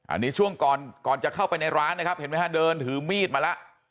อันนี้ช่วงก่อนก่อนจะเข้าไปในร้านนะครับเห็นไหมฮะเดินถือมีดมาแล้ว